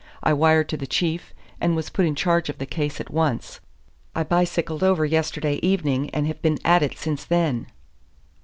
I wired to the Chief, and was put in charge of the case at once. I bicycled over yesterday evening, and have been at it since then."